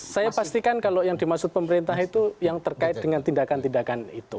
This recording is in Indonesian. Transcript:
saya pastikan kalau yang dimaksud pemerintah itu yang terkait dengan tindakan tindakan itu